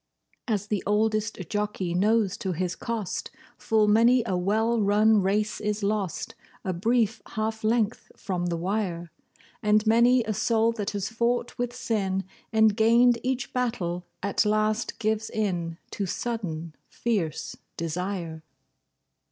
As the oldest jockey knows to his cost, Full many a well run race is lost A brief half length from the wire. And many a soul that has fought with sin, And gained each battle, at last gives in To sudden, fierce desire.